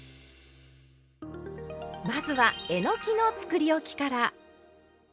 まずはえのきのつくりおきから。